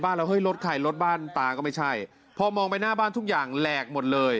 บ้านเราเห้ยรถไขรรถบ้านตาก็ไม่ใช่พอมองไปหน้าบ้านทุกอย่างแหลกหมด